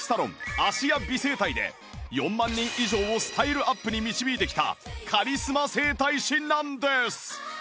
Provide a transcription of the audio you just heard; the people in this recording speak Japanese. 芦屋美整体で４万人以上をスタイルアップに導いてきたカリスマ整体師なんです